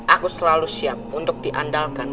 aku selalu siap untuk diandalkan